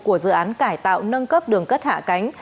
của dự án cải tạo nâng cấp đường cất hạ cánh